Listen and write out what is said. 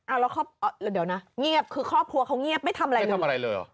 อ้าวเดี๋ยวนะเงียบคือครอบครัวเขาเงียบไม่ทำอะไรเลย